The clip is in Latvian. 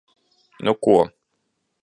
Nu ko...